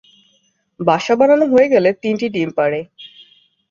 বাসা বানানো হয়ে গেলে তিনটি ডিম পাড়ে।